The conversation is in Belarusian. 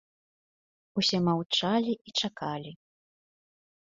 Усе маўчалі і чакалі.